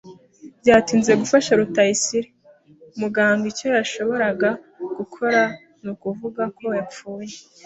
Byatinze gufasha Rutayisire. Muganga icyo yashoboraga gukora nukuvuga ko yapfuye.